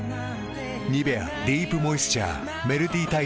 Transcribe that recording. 「ニベアディープモイスチャー」メルティタイプ